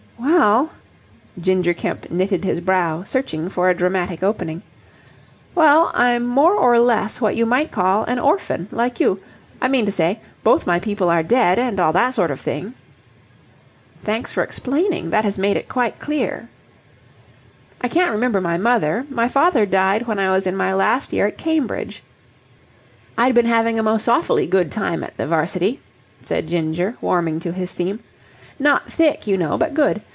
"Well..." Ginger Kemp knitted his brow, searching for a dramatic opening. "Well, I'm more or less what you might call an orphan, like you. I mean to say, both my people are dead and all that sort of thing." "Thanks for explaining. That has made it quite clear." "I can't remember my mother. My father died when I was in my last year at Cambridge. I'd been having a most awfully good time at the 'varsity,'" said Ginger, warming to his theme. "Not thick, you know, but good.